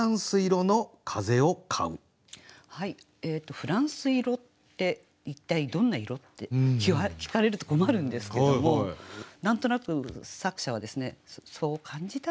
「仏蘭西いろって一体どんな色？」って聞かれると困るんですけども何となく作者はそう感じたんでしょうね。